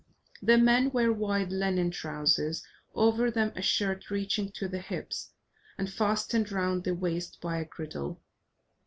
The men wear wide linen trousers, over them a shirt reaching to the hips, and fastened round the waist by a girdle.